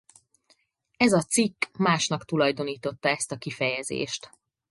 Ez a cikk másnak tulajdonította ezt a kifejezést.